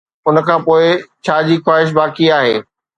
ان کان پوء، ڇا جي خواهش باقي آهي؟